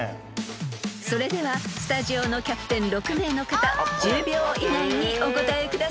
［それではスタジオのキャプテン６名の方１０秒以内にお答えください］